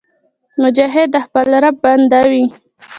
مجاهد د خپل رب بنده وي.